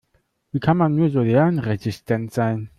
Wie kann man nur so lernresistent sein?